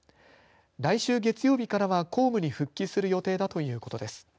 来週月曜日からは公務に復帰する予定だということです。